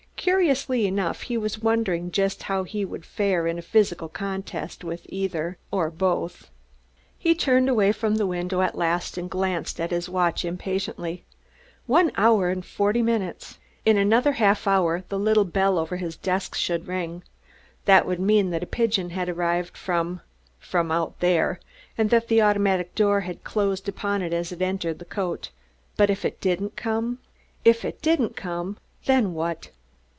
Curiously enough he was wondering just how he would fare in a physical contest with either, or both. He turned away from the window at last and glanced at his watch impatiently. One hour and forty minutes! In another half an hour the little bell over his desk should ring. That would mean that a pigeon had arrived from from out there, and that the automatic door had closed upon it as it entered the cote. But if it didn't come if it didn't come! Then what?